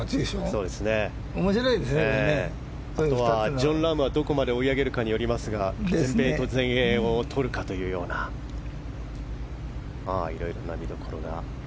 ジョン・ラームがどこまで追い上げるかによりますが全米と全英をとるかというようないろいろな見どころが。